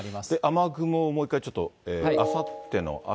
雨雲をもう一回ちょっと、あさっての朝。